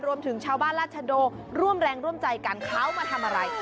รวมถึงชาวบ้านราชโดร่วมแรงร่วมใจกันเขามาทำอะไร